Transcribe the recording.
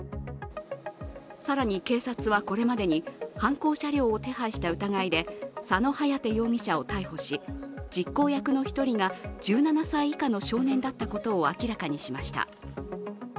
更に警察はこれまでに犯行車両を手配した疑いで佐野颯容疑者を逮捕し実行役の１人が１７歳以下の少年だったことを明らかにしました。